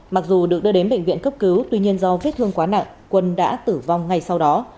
mặc dù được đưa đến bệnh viện cấp cứu tuy nhiên do vết thương quá nặng quân đã tử vong ngay sau đó